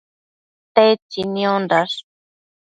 Tedtsi niondash?